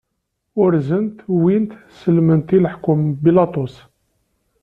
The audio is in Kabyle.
Urzen-t, wwin-t, sellmen-t i lḥakem Bilaṭus.